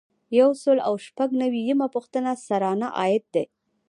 یو سل او شپږ نوي یمه پوښتنه سرانه عاید دی.